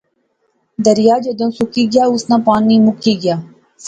دریا جدوں سکی گیا، اس ناں پانی مکی گیا